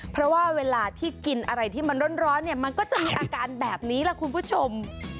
เพราะว่าเวลาที่กินอะไรที่มันร้อนเนี่ยมันก็จะมีอาการแบบนี้ล่ะคุณผู้ชม